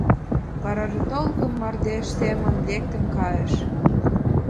Варажым толкын мардеж семын лектын кайышт.